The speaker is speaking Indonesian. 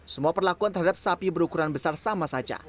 semua perlakuan terhadap sapi berukuran besar sama saja